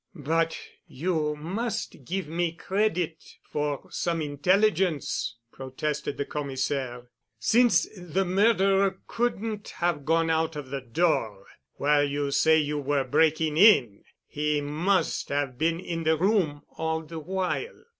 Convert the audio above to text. "But you must give me credit for some intelligence," protested the Commissaire. "Since the murderer couldn't have gone out of the door while you say you were breaking in, he must have been in the room all the while."